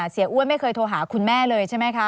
อ้วนไม่เคยโทรหาคุณแม่เลยใช่ไหมคะ